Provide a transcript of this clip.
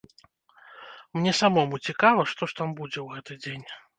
Мне самому цікава, што ж там будзе ў гэты дзень.